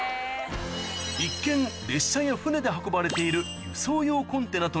一見列車や船で運ばれている